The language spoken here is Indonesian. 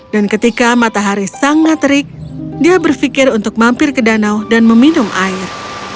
dan ketika matahari sangat terik dia berpikir untuk mampir ke danau dan meminum air